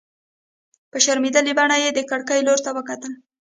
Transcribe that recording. په شرمېدلې بڼه يې د کړکۍ لور ته وکتل.